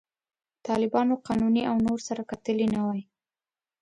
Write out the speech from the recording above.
طالبانو، قانوني او نور سره کتلي نه وای.